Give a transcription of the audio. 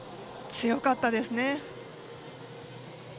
強かったですね。